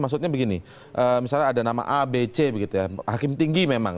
maksudnya begini misalnya ada nama abc hakim tinggi memang